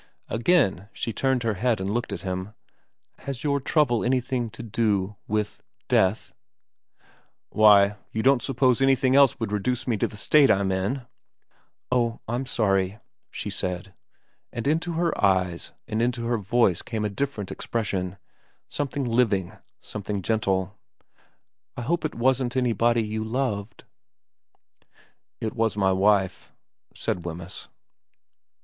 Again she turned her head and looked at him. ' Has your trouble anything to do with death ?'* Why, you don't suppose anything else would reduce me to the state I'm in ?' n VERA 15 ' Oh, I'm sorry,' she said ; and into her eyes and into her voice came a different expression, something living, something gentle. * I hope it wasn't anybody you loved ?'* It was my wife,' said Wemyss.